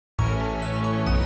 aku masih menunggu